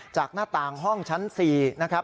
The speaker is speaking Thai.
จากหน้าต่างห้องชั้นสี่นะครับ